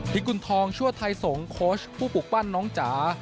กุณฑองชั่วไทยสงศผู้ปลูกปั้นน้องจ๋า